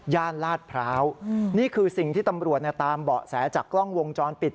ลาดพร้าวนี่คือสิ่งที่ตำรวจตามเบาะแสจากกล้องวงจรปิด